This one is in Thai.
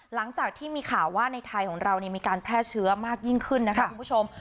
หลังจากที่มีข่าวว่าในไทยของเรามีการแพร่เชื้อมากยิ่งขึ้นนะคะคุณผู้ชม